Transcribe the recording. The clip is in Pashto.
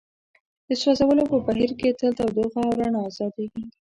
د سوځولو په بهیر کې تل تودوخه او رڼا ازادیږي.